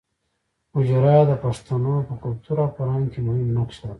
حجره د پښتانو په کلتور او فرهنګ کې مهم نقش لري